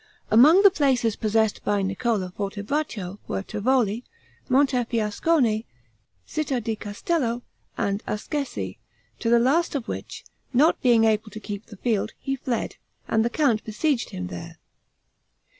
Among the places possessed by Niccolo Fortebraccio, were Tivoli, Montefiascone, Citta di Castello, and Ascesi, to the last of which, not being able to keep the field, he fled, and the count besieged him there.